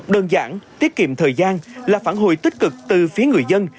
đơn giản tiết kiệm thời gian là phản hồi tích cực từ phía người dân